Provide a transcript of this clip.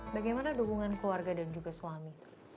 bagaimana dukungan keluarga dan juga suami